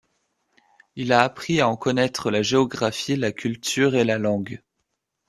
Il a appris à en connaître la géographie, la culture et la langue.